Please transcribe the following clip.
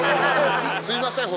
すいません